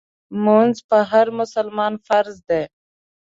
مونځ په هر مسلمان فرض دی